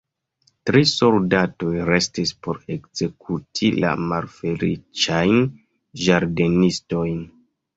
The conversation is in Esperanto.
Tri soldatoj restis por ekzekuti la malfeliĉajn ĝardenistojn.